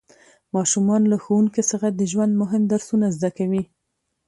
ماشومان له ښوونکي څخه د ژوند مهم درسونه زده کوي